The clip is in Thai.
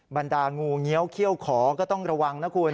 บรรดางูเงี้ยวเขี้ยวขอก็ต้องระวังนะคุณ